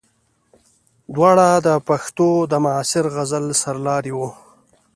دواړه د پښتو د معاصر غزل سرلاري وو.